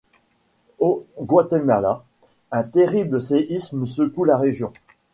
Au Guatemala, un terrible séisme secoue la région.